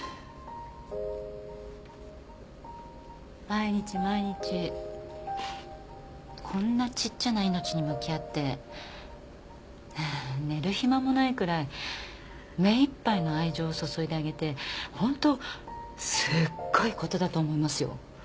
毎日毎日こんなちっちゃな命に向き合って寝る暇もないくらい目いっぱいの愛情注いであげてホントすごいことだと思いますよ。